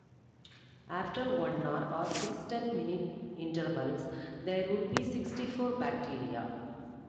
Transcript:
After one hour, or six ten-minute intervals, there would be sixty-four bacteria.